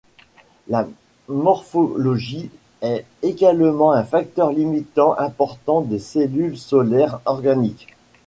La morphologie est également un facteur limitant important des cellules solaires organiques.